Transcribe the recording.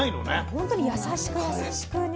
ほんとに優しく優しくね。